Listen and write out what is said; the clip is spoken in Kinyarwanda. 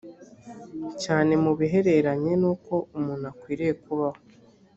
cyane mu bihereranye n uko umuntu akwiriye kubaho